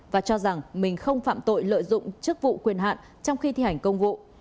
và cho rằng mình không phạm tội lợi dụng chức vụ quyền hạn trong khi thi hành công vụ